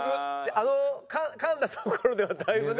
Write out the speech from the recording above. あのかんだところではだいぶね。